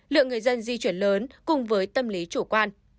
lượng người dân di chuyển lớn cùng với tâm lý chủ quan